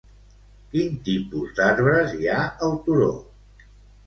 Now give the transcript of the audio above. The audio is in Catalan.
Quin tipus d'arbres hi ha al turó?